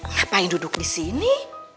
ngapain duduk disini